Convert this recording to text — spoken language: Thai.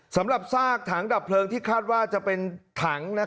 สำหรับซากถังดับเพลิงที่คาดว่าจะเป็นถัง